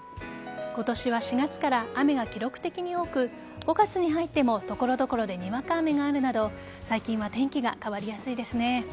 今年は４月から雨が記録的に多く５月に入っても所々でにわか雨があるなど最近は天気が変わりやすいですね。